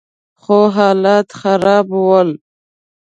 خو حالات خراب ول.